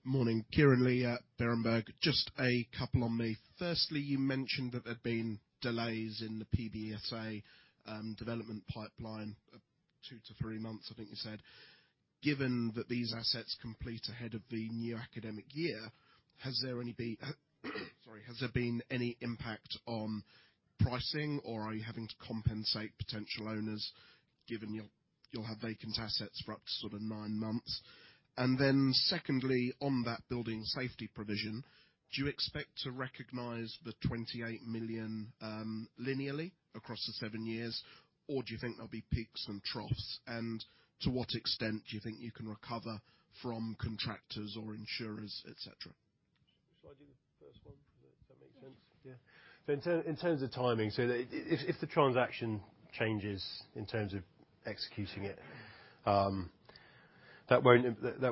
Morning. Kieran Lee at Berenberg. Just a couple on me. Firstly, you mentioned that there'd been delays in the PBSA development pipeline, two to three months I think you said. Given that these assets complete ahead of the new academic year, has there been any impact on pricing or are you having to compensate potential owners given your- You'll have vacant assets for up to sort of nine months. Then secondly, on that building safety provision, do you expect to recognize the 28 million linearly across the seven years, or do you think there'll be peaks and troughs? To what extent do you think you can recover from contractors or insurers, et cetera? Shall I do the first one? Does that make sense? Yes. Yeah. In terms of timing, if the transaction changes in terms of executing it, that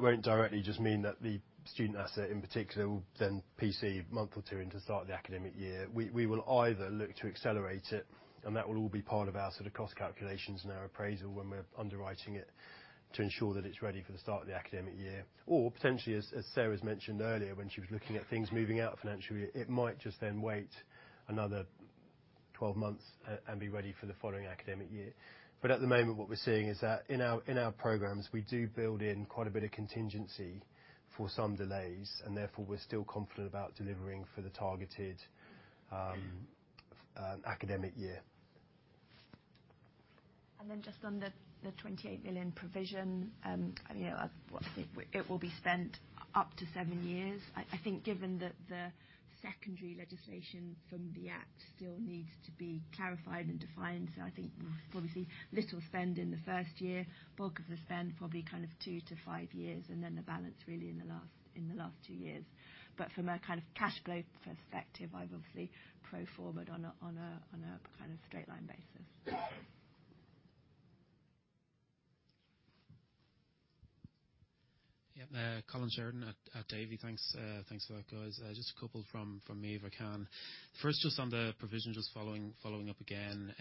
won't directly just mean that the student asset, in particular, will then PC a month or two into the start of the academic year. We will either look to accelerate it, and that will all be part of our sort of cost calculations and our appraisal when we're underwriting it to ensure that it's ready for the start of the academic year. Potentially, as Sarah's mentioned earlier, when she was looking at things moving out financial year, it might just then wait another 12 months and be ready for the following academic year. At the moment, what we're seeing is that in our programs, we do build in quite a bit of contingency for some delays, and therefore, we're still confident about delivering for the targeted academic year. Just on the 28 million provision, it will be spent up to seven years. I think given that the secondary legislation from the act still needs to be clarified and defined, I think we'll probably see little spend in the first year, bulk of the spend probably kind of two to five years, and then the balance really in the last two years. From a kind of cash flow perspective, I've obviously pro forma it on a kind of straight line basis. Yeah. Colin Sheridan at Davy. Thanks for that, guys. Just a couple from me, if I can. First, just on the provision, following up again.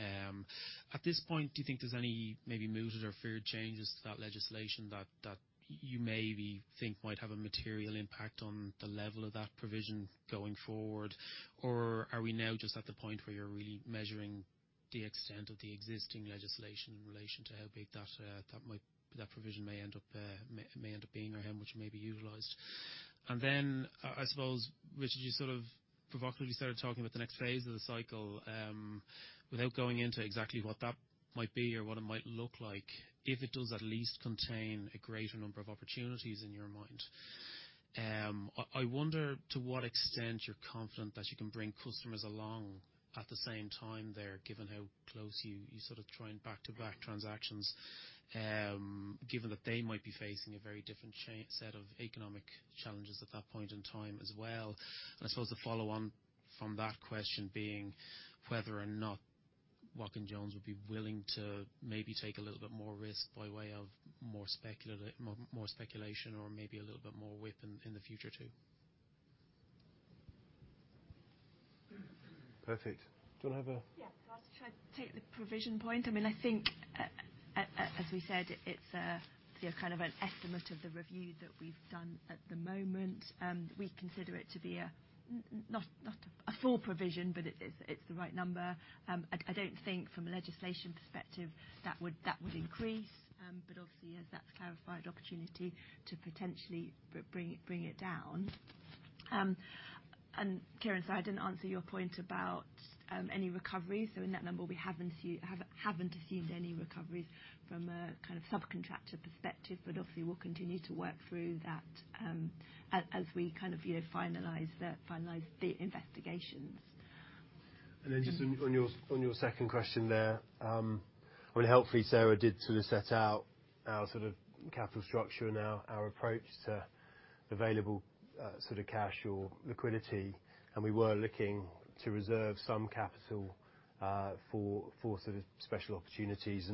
At this point, do you think there's any maybe mooted or feared changes to that legislation that you maybe think might have a material impact on the level of that provision going forward? Or are we now just at the point where you're really measuring the extent of the existing legislation in relation to how big that provision may end up being or how much may be utilized? I suppose, Richard, you sort of provocatively started talking about the next phase of the cycle. Without going into exactly what that might be or what it might look like, if it does at least contain a greater number of opportunities in your mind, I wonder to what extent you're confident that you can bring customers along at the same time there, given how close you sort of timing back-to-back transactions, given that they might be facing a very different set of economic challenges at that point in time as well. I suppose the follow on from that question being whether or not Watkin Jones would be willing to maybe take a little bit more risk by way of more speculation or maybe a little bit more leverage in the future too. Perfect. Yeah. I'll try to take the provision point. I mean, I think as we said, it's kind of an estimate of the review that we've done at the moment. We consider it to be not a full provision, but it's the right number. I don't think from a legislative perspective that would increase, but obviously, as that's clarified, opportunity to potentially bring it down. Kieran, sorry, I didn't answer your point about any recovery. In that number, we haven't assumed any recoveries from a kind of subcontractor perspective, but obviously, we'll continue to work through that, as we kind of, you know, finalize the investigations. Just on your second question there. I mean, hopefully, Sarah did sort of set out our sort of capital structure and our approach to available, sort of cash or liquidity. We were looking to reserve some capital for sort of special opportunities.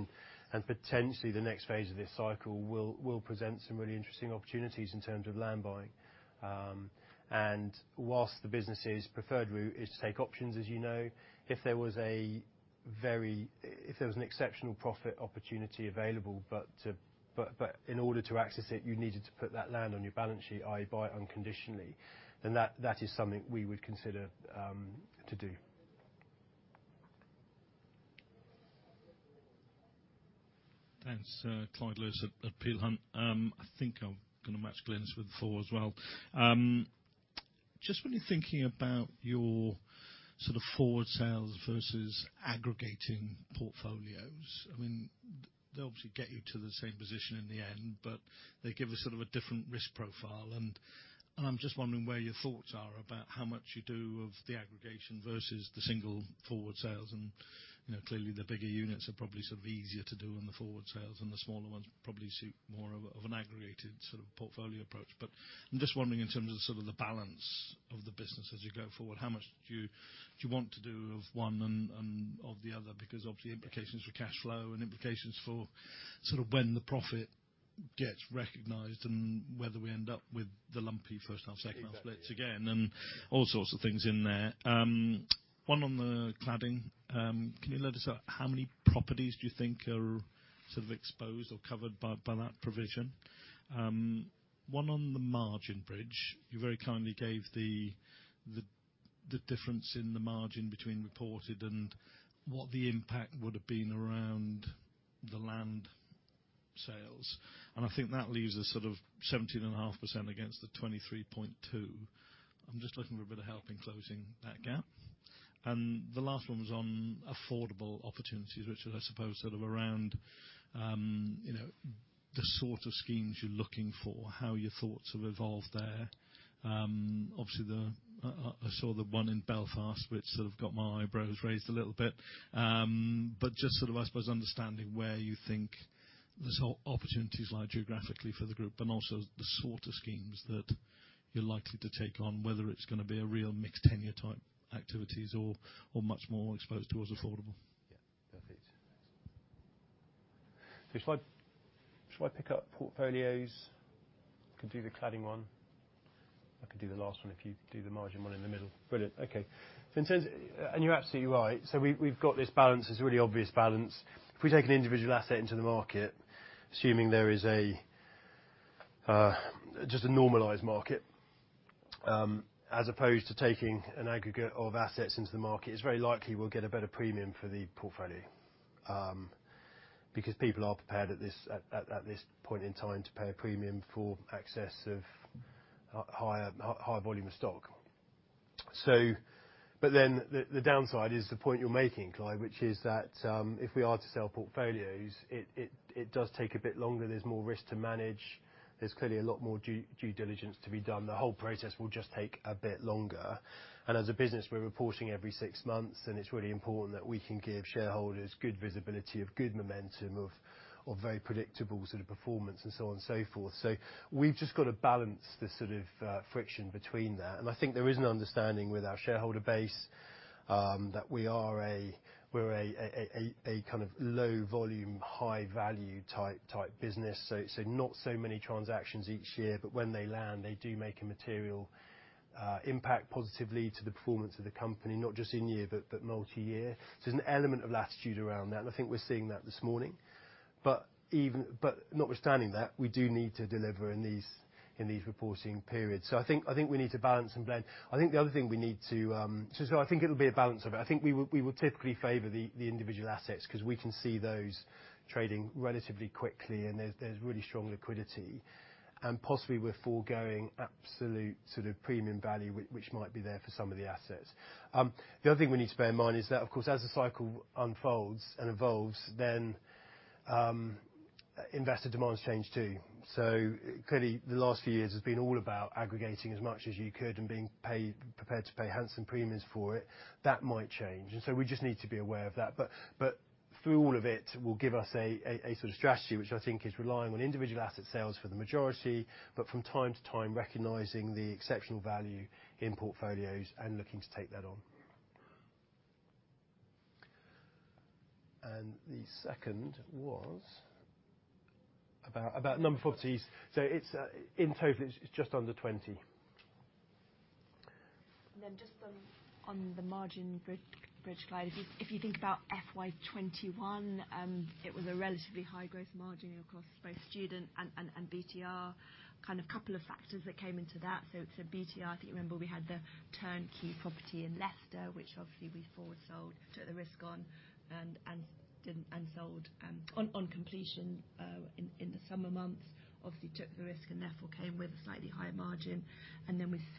Potentially the next phase of this cycle will present some really interesting opportunities in terms of land buying. Whilst the business' preferred route is to take options, as you know, if there was an exceptional profit opportunity available, but in order to access it, you needed to put that land on your balance sheet, i.e., buy unconditionally, then that is something we would consider to do. Thanks. Clyde Lewis at Peel Hunt. I think I'm gonna match Glenn's with four as well. Just when you're thinking about your sort of forward sales versus aggregating portfolios, I mean, they obviously get you to the same position in the end, but they give a sort of a different risk profile. I'm just wondering where your thoughts are about how much you do of the aggregation versus the single forward sales. You know, clearly the bigger units are probably sort of easier to do in the forward sales, and the smaller ones probably suit more of an aggregated sort of portfolio approach. But I'm just wondering in terms of sort of the balance of the business as you go forward, how much do you want to do of one and of the other? Because obviously, implications for cash flow and implications for sort of when the profit gets recognized and whether we end up with the lumpy first half, second half splits again and all sorts of things in there. One on the cladding. Can you let us know how many properties do you think are sort of exposed or covered by that provision? One on the margin bridge. You very kindly gave the difference in the margin between reported and what the impact would have been around the land sales. I think that leaves us sort of 17.5% against the 23.2%. I'm just looking for a bit of help in closing that gap. The last one was on affordable opportunities, which was, I suppose, sort of around, you know, the sort of schemes you're looking for, how your thoughts have evolved there. Obviously, I saw the one in Belfast, which sort of got my eyebrows raised a little bit. Just sort of, I suppose, understanding where you think the sort of opportunities lie geographically for the group and also the sort of schemes that you're likely to take on, whether it's gonna be a real mixed tenure type activities or much more exposed towards affordable. Yeah. Perfect. Shall I pick up portfolios? I can do the cladding one. I can do the last one if you do the margin one in the middle. Brilliant. Okay. You're absolutely right. We've got this balance, this really obvious balance. If we take an individual asset into the market, assuming there is just a normalized market, as opposed to taking an aggregate of assets into the market, it's very likely we'll get a better premium for the portfolio because people are prepared at this point in time to pay a premium for access to higher high volume of stock. The downside is the point you're making, Clyde, which is that if we are to sell portfolios, it does take a bit longer. There's more risk to manage. There's clearly a lot more due diligence to be done. The whole process will just take a bit longer. As a business, we're reporting every six months, and it's really important that we can give shareholders good visibility of good momentum of very predictable sort of performance and so on and so forth. We've just gotta balance this sort of friction between that. I think there is an understanding with our shareholder base that we are a-- we're a kind of low volume, high value type business. Not so many transactions each year, but when they land, they do make a material impact positively to the performance of the company, not just in year but multi-year. There's an element of latitude around that, and I think we're seeing that this morning. Notwithstanding that, we do need to deliver in these reporting periods. I think we need to balance and blend. I think the other thing we need to. I think it'll be a balance of it. I think we will typically favor the individual assets 'cause we can see those trading relatively quickly, and there's really strong liquidity. And possibly we're foregoing absolute sort of premium value which might be there for some of the assets. The other thing we need to bear in mind is that, of course, as the cycle unfolds and evolves, then investor demands change too. Clearly the last few years has been all about aggregating as much as you could and prepared to pay handsome premiums for it. That might change, and so we just need to be aware of that. Through all of it will give us a sort of strategy which I think is relying on individual asset sales for the majority, but from time to time, recognizing the exceptional value in portfolios and looking to take that on. The second was about number of properties. It's in total it's just under 20. Just on the margin bridge, Clyde. If you think about FY 2021, it was a relatively high growth margin across both student and BTR. Kind of couple of factors that came into that. BTR, if you remember, we had the turnkey property in Leicester, which obviously we forward sold. Took the risk on and sold on completion in the summer months, obviously took the risk and therefore came with a slightly higher margin.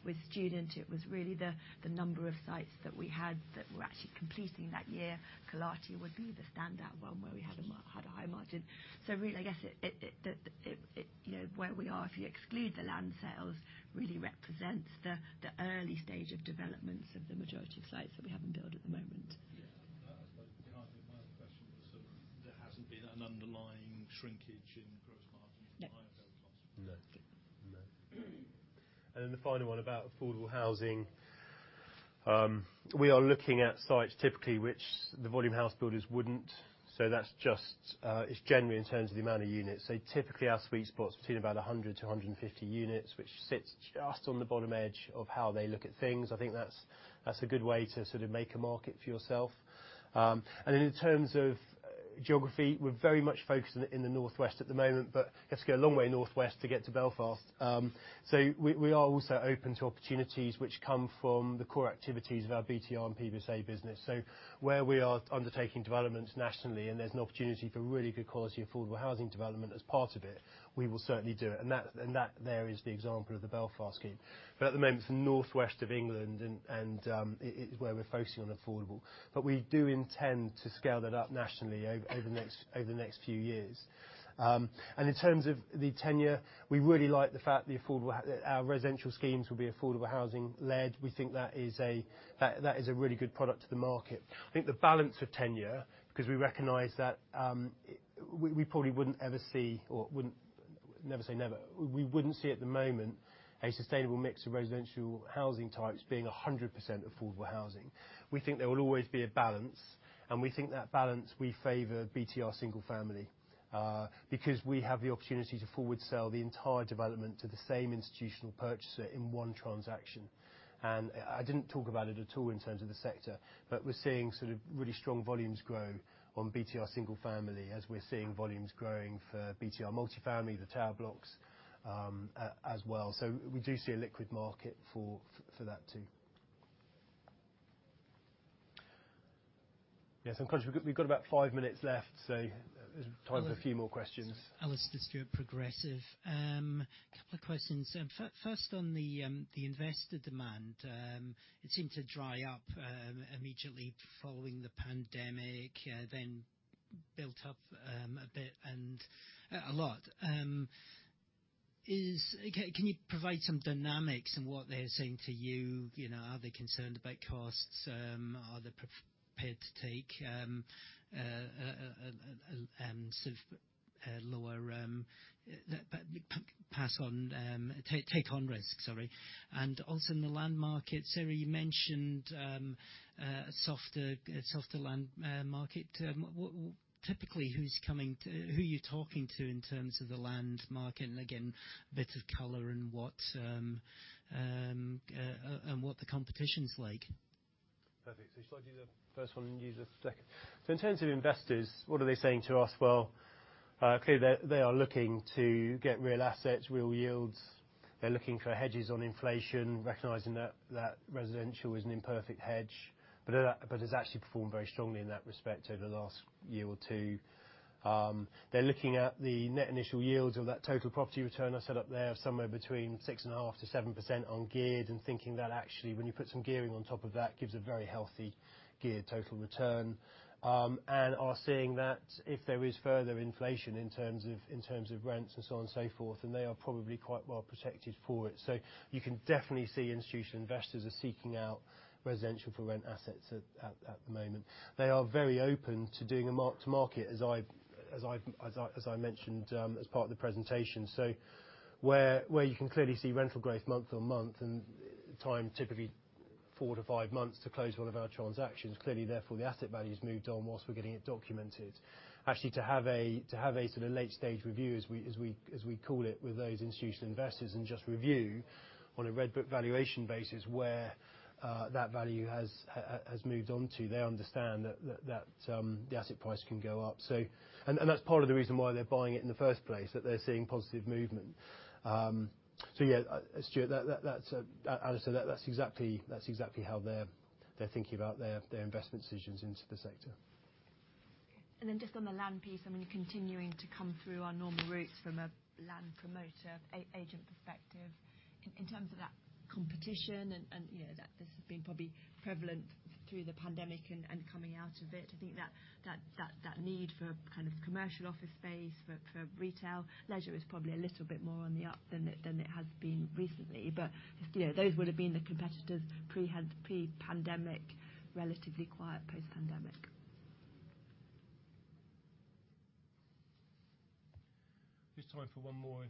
With student, it was really the number of sites that we had that were actually completing that year. Colchester would be the standout one where we had a high margin. Really, I guess it you know where we are, if you exclude the land sales, really represents the early stage of developments of the majority of sites that we have on build at the moment. Yeah. I suppose behind my question was sort of there hasn't been an underlying shrinkage in gross margin. No. Higher build costs. No. No. The final one about Affordable Housing. We are looking at sites typically which the volume house builders wouldn't. That's just, it's generally in terms of the amount of units. Typically our sweet spot's between about 100-150 units, which sits just on the bottom edge of how they look at things. I think that's a good way to sort of make a market for yourself. In terms of geography, we're very much focused in the northwest at the moment, but you have to go a long way northwest to get to Belfast. We are also open to opportunities which come from the core activities of our BTR and PBSA business. Where we are undertaking developments nationally, and there's an opportunity for really good quality Affordable Housing development as part of it, we will certainly do it. That there is the example of the Belfast scheme. But at the moment, it's the northwest of England and it's where we're focusing on affordable. But we do intend to scale that up nationally over the next few years. In terms of the tenure, we really like the fact that our residential schemes will be Affordable Housing led. We think that is a really good product to the market. I think the balance of tenure, because we recognize that we probably wouldn't ever see or wouldn't. Never say never. We wouldn't see at the moment a sustainable mix of residential housing types being 100% Affordable Housing. We think there will always be a balance, and we think that balance will favor BTR single family, because we have the opportunity to forward sell the entire development to the same institutional purchaser in one transaction. I didn't talk about it at all in terms of the sector, but we're seeing sort of really strong volumes grow on BTR single family as we're seeing volumes growing for BTR multifamily, the tower blocks, as well. We do see a liquid market for that too. Yes, Conor, we've got about five minutes left, so there's time for a few more questions. Alastair Stewart, Progressive. A couple of questions. First on the investor demand. It seemed to dry up immediately following the pandemic, then built up a bit and a lot. Can you provide some dynamics in what they're saying to you? You know, are they concerned about costs? Are they prepared to take on risk, sorry. Also in the land market, Sarah, you mentioned a softer land market. Typically who are you talking to in terms of the land market, and again, a bit of color in what and what the competition's like? Perfect. Shall I do the first one and you do the second? In terms of investors, what are they saying to us? Well, clearly they are looking to get real assets, real yields. They're looking for hedges on inflation, recognizing that residential is an imperfect hedge, but it's actually performed very strongly in that respect over the last year or two. They're looking at the net initial yields of that total property return I set up there of somewhere between 6.5%-7% ungeared, and thinking that actually when you put some gearing on top of that, gives a very healthy geared total return. Are seeing that if there is further inflation in terms of rents and so on and so forth, then they are probably quite well protected for it. You can definitely see institutional investors are seeking out residential for rent assets at the moment. They are very open to doing a mark to market, as I mentioned, as part of the presentation. Where you can clearly see rental growth month-on-month and time typically four to five months to close one of our transactions, clearly therefore the asset value's moved on whilst we're getting it documented. Actually, to have a sort of late stage review as we call it, with those institutional investors and just review on a Red Book valuation basis where that value has moved on to. They understand that the asset price can go up. That's part of the reason why they're buying it in the first place, that they're seeing positive movement. Alasdair, that's exactly how they're thinking about their investment decisions into the sector. Then just on the land piece, I mean, continuing to come through our normal routes from a land promoter agent perspective. In terms of that competition and you know, that this has been probably prevalent through the pandemic and coming out of it, I think that need for kind of commercial office space, for retail, leisure is probably a little bit more on the up than it has been recently. Just, you know, those would have been the competitors pre-pandemic, relatively quiet post-pandemic. Just time for one more.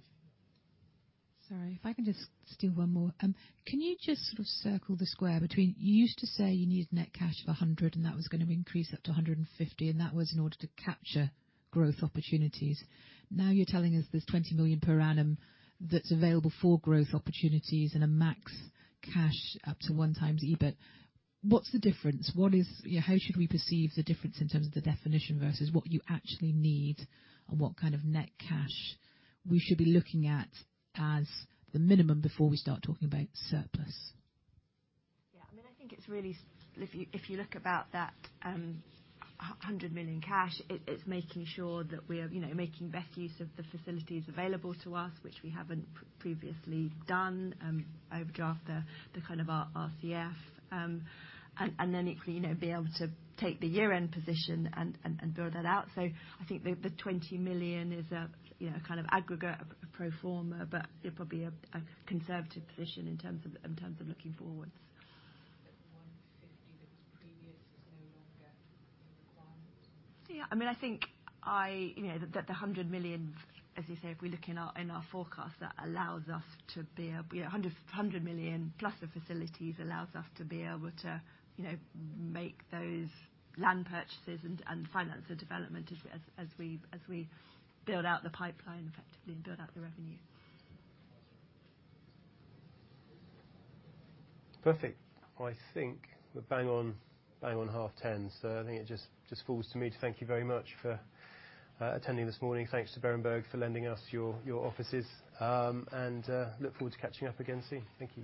Sorry, if I can just steal one more. Can you just sort of square the circle between you used to say you needed net cash of 100 million, and that was gonna increase up to 150 million, and that was in order to capture growth opportunities. Now you're telling us there's 20 million per annum that's available for growth opportunities and a max cash up to 1x EBIT. What's the difference? How should we perceive the difference in terms of the definition versus what you actually need, and what kind of net cash we should be looking at as the minimum before we start talking about surplus? Yeah, I mean, I think it's really. If you look about that 100 million cash, it's making sure that we are making best use of the facilities available to us, which we haven't previously done, overdraft the kind of our RCF. And then it can be able to take the year-end position and build that out. I think the 20 million is a kind of aggregate pro forma, but probably a conservative position in terms of looking forwards. That GBP 150 millionthat was previous is no longer a requirement? Yeah. I mean, I think I, you know, the 100 million, as you say, if we look in our forecast, that allows us to be a, you know, 100 million plus the facilities allows us to be able to, you know, make those land purchases and finance the development as we build out the pipeline effectively and build out the revenue. Perfect. I think we're bang on 10:30 A.M. I think it just falls to me to thank you very much for attending this morning. Thanks to Berenberg for lending us your offices. I look forward to catching up again soon. Thank you.